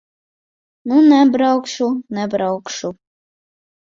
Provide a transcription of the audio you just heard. Nu, nebraukšu, nebraukšu.